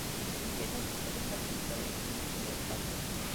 En invierno, se puede practicar esquí en el parque.